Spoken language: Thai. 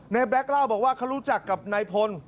แบล็คเล่าบอกว่าเขารู้จักกับนายพล